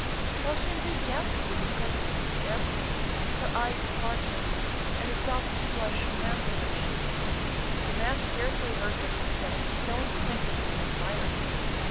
While she enthusiastically described Steve's aircraft, her eyes sparkling and a soft flush mantling her cheeks, the man scarcely heard what she said, so intent was he in admiring her.